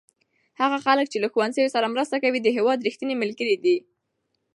هغه خلک چې له ښوونځیو سره مرسته کوي د هېواد رښتیني ملګري دي.